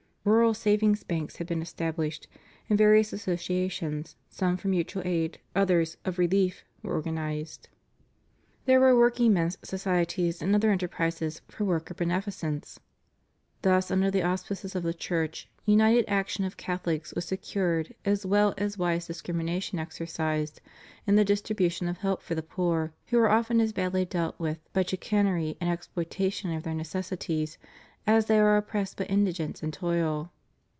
Rural savings banks had been established, and various associa tions, some for mutual aid, others, of relief were organized. CHRISTIAN DEMOCRACY. 481 There were working men's societies and other enterprises for work or beneficence. Thus under the auspices of the Church, united action of CathoHcs was secured as well as wise discrimination exercised in the distribution of help for the poor who are often as badly dealt with by chicanery and exploitation of their necessities, as they are oppressed by indigence and toil.